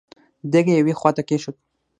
دېګ يې يوې خواته کېښود.